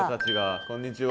こんにちは。